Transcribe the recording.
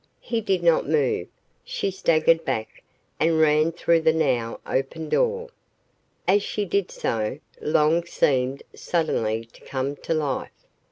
He did not move. She staggered back and ran through the now open door. As she did so, Long seemed suddenly to come to life.